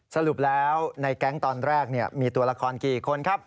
สรุปแล้วในแก๊งตอนแรกมีตัวละครกี่คนครับ